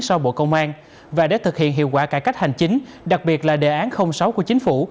sau bộ công an và để thực hiện hiệu quả cải cách hành chính đặc biệt là đề án sáu của chính phủ